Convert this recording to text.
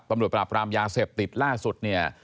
ปราบรามยาเสพติดล่าสุดเนี่ย